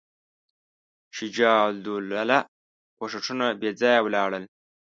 شجاع الدوله کوښښونه بېځایه ولاړل.